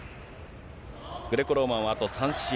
グレコローマンはあと３試合。